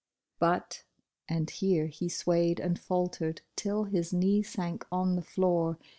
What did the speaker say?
"But," and here he swayed and faltered till his knee sank on the floor.